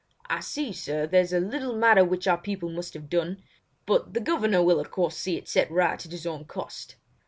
"I see, sir, there is a little matter which our people must have done; but the governor will of course see it set right at his own cost."